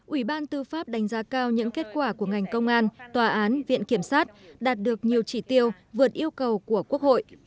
ủy ban tư pháp đánh giá cao những kết quả của ngành công an tòa án viện kiểm sát đạt được nhiều chỉ tiêu vượt yêu cầu của quốc hội